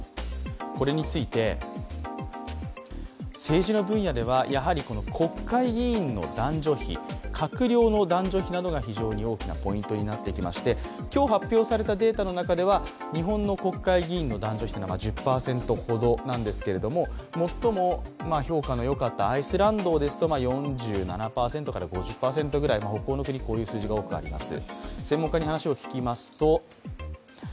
これについて政治の分野ではやはり国会議員の男女比、閣僚の男女比などが非常に大きなポイントになってきまして今日発表されたデータの中では日本の国会議員の男女比は１０％ほどなんですけど、最も評価のよかったアイスランドでは４７％から５０％ぐらい、北欧の国はこういう数字になっています。